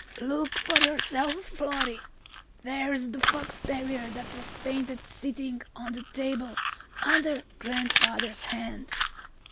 "Look for yourself, Florry! Where is the fox terrier that was painted sitting on the table under Grandfather's hand?"